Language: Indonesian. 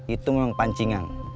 itu memang pancingan